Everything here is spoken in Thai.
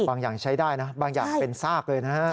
บางอย่างใช้ได้นะบางอย่างเป็นซากเลยนะฮะ